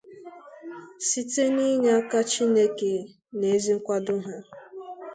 site n'inye aka Chineke na ezi nkwàdo ha.